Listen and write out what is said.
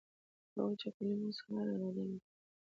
له سوچه کلمو څخه رغېدلي دي.